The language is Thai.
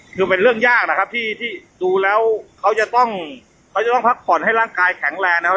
คือเป็นเรื่องยากนะครับที่ดูแล้วเขาจะต้องเขาจะต้องพักผ่อนให้ร่างกายแข็งแรงนะครับ